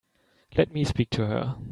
Let me speak to her.